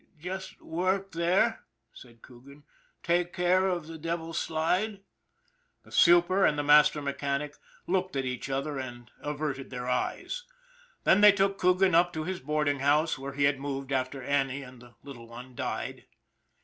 " Just work there," said Coogan. " Take care of the Devil's Slide." The super and the master mechanic looked at each GUARDIAN OF THE DEVIL'S SLIDE 173 other and averted their eyes. Then they took Coogan up to his boarding house, where he had moved after Annie and the little one died.